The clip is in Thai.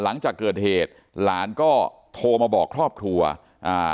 หลังจากเกิดเหตุหลานก็โทรมาบอกครอบครัวอ่า